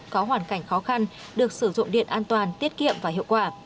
có hoàn cảnh khó khăn được sử dụng điện an toàn tiết kiệm và hiệu quả